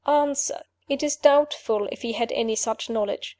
"Answer: It is doubtful if he had any such knowledge.